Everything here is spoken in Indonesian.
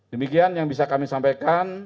demikian yang bisa kami sampaikan